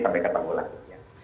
sampai ketemu lagi